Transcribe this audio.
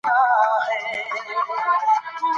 پاک خدای د مېړنيو خلکو مل دی.